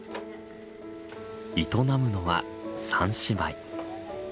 営むのは三姉妹。